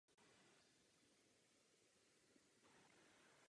Lászlóovi byla od jeho patronů udělena řada vyznamenání a medailí.